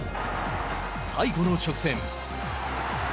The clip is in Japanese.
最後の直線。